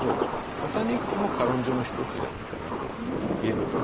「土佐日記」も歌論書の一つじゃないかなといえると思いますね。